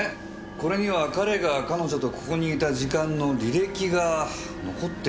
これには彼が彼女とここにいた時間の履歴が残ってないんだよねぇ。